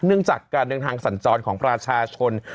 เนื่องจากการเดินทางสัญจรของประชาชน